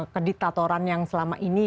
kediktatoran yang selama ini